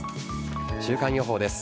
週間予報です。